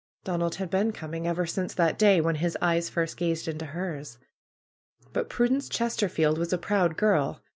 Donald had been coming ever since that day when his eyes first gazed into hers. But Prudence Chesterfield was a proud girl.